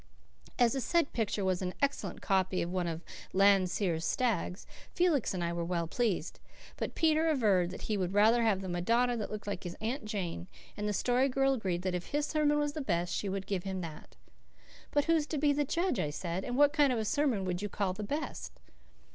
As the said picture was an excellent copy of one of Landseer's stags, Felix and I were well pleased; but Peter averred that he would rather have the Madonna that looked like his Aunt Jane, and the Story Girl agreed that if his sermon was the best she would give him that. "But who's to be the judge?" I said, "and what kind of a sermon would you call the best?"